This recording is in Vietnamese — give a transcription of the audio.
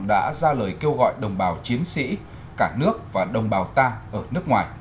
đã ra lời kêu gọi đồng bào chiến sĩ cả nước và đồng bào ta ở nước ngoài